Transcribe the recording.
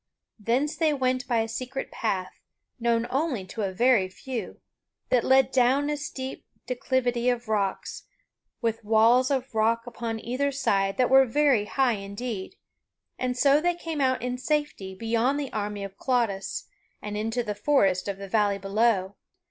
Thence they went by a secret path, known only to a very few, that led down a steep declivity of rocks, with walls of rock upon either side that were very high indeed, and so they came out in safety beyond the army of King Claudas and into the forest of the valley below.